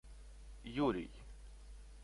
Юрий